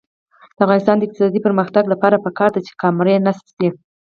د افغانستان د اقتصادي پرمختګ لپاره پکار ده چې کامرې نصب شي.